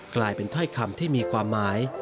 กลายเป็นถ้อยคำที่มีความหมาย